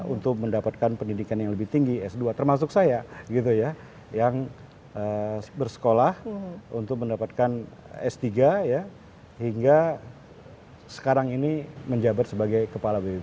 untuk mendapatkan pendidikan yang lebih tinggi s dua termasuk saya yang bersekolah untuk mendapatkan s tiga hingga sekarang ini menjabat sebagian besar